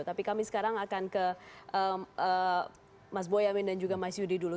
tapi kami sekarang akan ke mas boyamin dan juga mas yudi dulu